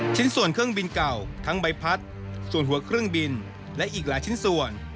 ชิ้นส่วนเครื่องบินเก่าทั้งใบพัดส่วนหัวเครื่องบินและอีกหลายชิ้นส่วน